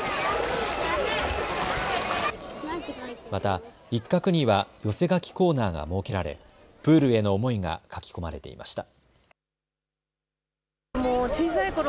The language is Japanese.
また一角には寄せ書きコーナーが設けられプールへの思いが書き込まれていました。